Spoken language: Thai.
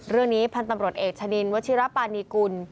เรื่องนี้พันธ์ตำรวจเอกชะนินวชิรปานีกุล